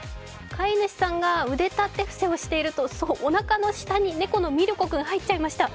飼い主さんが腕立て伏せをしているとおなかに猫のミルコ君入っちゃいました。